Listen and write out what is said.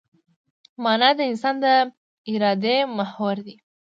مانا د انسان د ارادې محور دی.